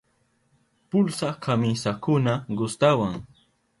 Pulsa kamisakuna gustawan.